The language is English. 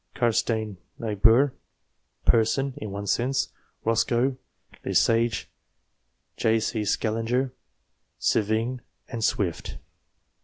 Carsten Niebuhr, Porson (in one sense), Roscoe, Le Sage, J. C. Scaliger, Sevigne, and Swift.